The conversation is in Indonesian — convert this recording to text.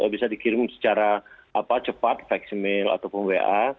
bisa dikirim secara cepat text mail ataupun wa